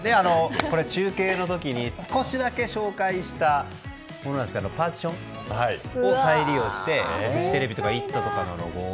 中継の時に少しだけ紹介したものなんですがパーティションを再利用してフジテレビとか「イット！」とかのロゴを。